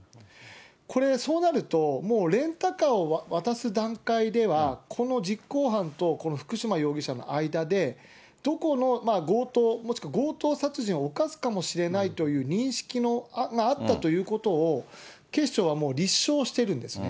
これ、そうなると、もうレンタカーを渡す段階では、この実行犯とこの福島容疑者の間で、どこの強盗、もしくは強盗殺人を犯すかもしれないという認識があったということを警視庁はもう立証してるんですね。